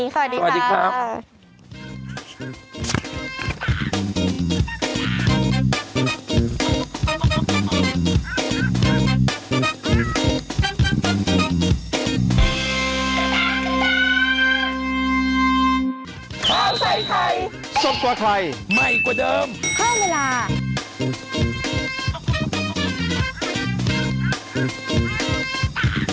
สวัสดีค่ะสวัสดีค่ะสวัสดีครับ